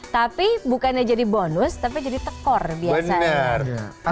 tapi bukannya jadi bonus tapi jadi tekor biasanya